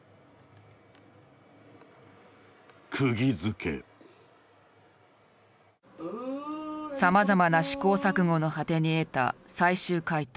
くぎづけさまざまな試行錯誤の果てに得た最終回答。